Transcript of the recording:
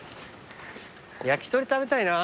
焼き鳥食べたいな。